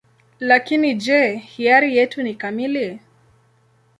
Lakini je, hiari yetu ni kamili?